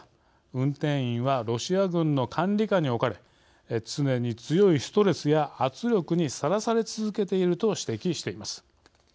運転員はロシア軍の管理下に置かれ常に強いストレスや圧力にさらされ続けていると指摘しています。